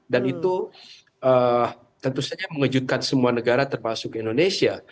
dan itu tentu saja mengejutkan semua negara termasuk indonesia